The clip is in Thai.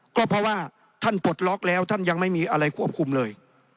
ก็เพราะว่าท่านปลดล็อกแล้วท่านยังไม่มีอะไรควบคุมเลย